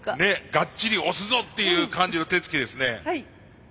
がっちり押すぞっていう感じの手つきですね。